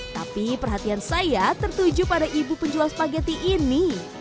tapi perhatian saya tertuju pada ibu penjual spageti ini